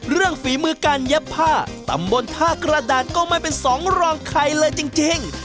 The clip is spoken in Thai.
ฝีมือการเย็บผ้าตำบลท่ากระดาษก็ไม่เป็นสองรองใครเลยจริง